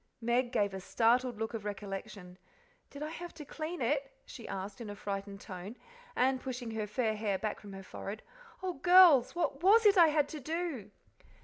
'" Meg gave a startled look of recollection. "Did I have to clean it?" she asked in a frightened tone, and pushing her fair hair back from her forehead. "Oh, girls! what WAS it I had to do?"